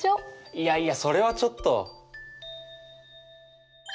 いやいやそれはちょっと。